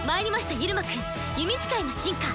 入間くん」「弓使いの真価」。